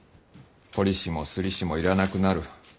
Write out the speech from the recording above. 彫り師もり師も要らなくなる。